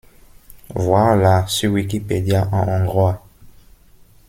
Voir la sur Wikipédia en hongrois.